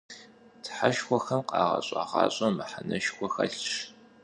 Тхьэшхуэхэм къагъэщӀа гъащӀэм мыхьэнэшхуэ хэлъщ.